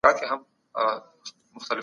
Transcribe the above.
په لویه جرګه کي د مدني ټولني استازی څوک دی؟